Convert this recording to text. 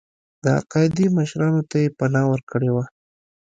د القاعدې مشرانو ته یې پناه ورکړې وه.